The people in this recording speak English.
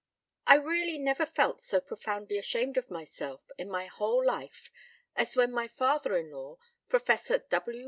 h3> I really never felt so profoundly ashamed of myself in my whole life as when my father in law, Professor W.